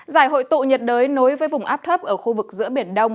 giải hội tụ nhiệt đới nối với vùng áp thấp ở khu vực giữa biển đông